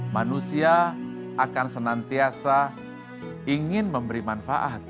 manusia akan senantiasa ingin memberi manfaat